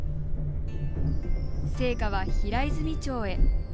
聖火は平泉町へ。